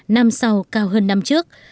năm sau cao hơn năm trước